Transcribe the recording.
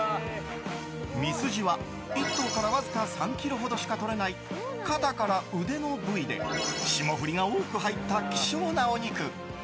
ミスジは１頭からわずか３ｋｇほどしかとれない肩から腕の部位で霜降りが多く入った希少なお肉。